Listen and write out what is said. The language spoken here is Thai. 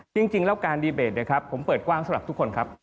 จริงแล้วการดีเบตนะครับผมเปิดกว้างสำหรับทุกคนครับ